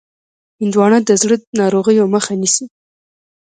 هندوانه د زړه ناروغیو مخه نیسي.